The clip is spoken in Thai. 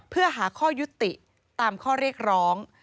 เพื่อหาข้อยุติตามข้อเรียกร้อง